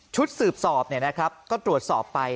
ชุดสืบสอบเนี้ยครับก็ตรวจสอบไป